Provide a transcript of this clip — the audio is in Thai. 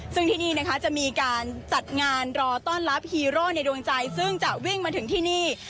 ซึ่งที่นี่นะคะจะมีการจัดงานรอต้อนรับฮีโร่ในดวงใจซึ่งจะวิ่งมาถึงที่นี่